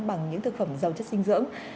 bằng những thực phẩm giàu chất sinh dưỡng